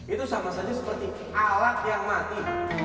itu sama saja seperti alat yang mati